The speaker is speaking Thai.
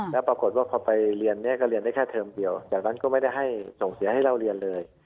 แล้วปรากฏว่าพอไปเรียนเนี่ยก็เรียนได้แค่เทอมเดียวจากนั้นก็ไม่ได้ให้ส่งเสียให้เล่าเรียนเลย